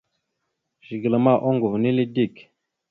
Zigəla ma oŋgov nele dik.